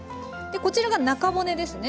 こちらが中骨ですね。